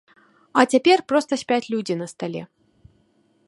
А цяпер проста спяць людзі на стале.